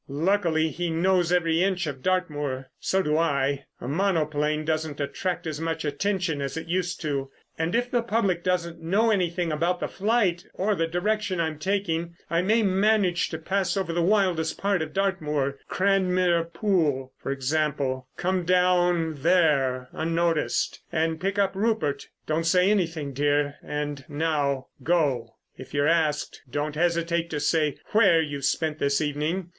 Luckily, he knows every inch of Dartmoor, so do I. A monoplane doesn't attract as much attention as it used to, and if the public doesn't know anything about the flight or the direction I'm taking, I may manage to pass over the wildest part of Dartmoor, Cranmere Pool, for example, come down there unnoticed, and pick up Rupert.... Don't say anything, dear, and now go. If you're asked, don't hesitate to say where you've spent this evening.